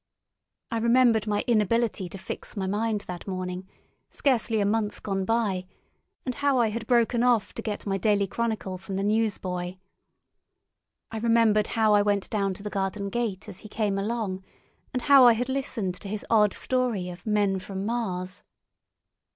I remembered my inability to fix my mind that morning, scarcely a month gone by, and how I had broken off to get my Daily Chronicle from the newsboy. I remembered how I went down to the garden gate as he came along, and how I had listened to his odd story of "Men from Mars."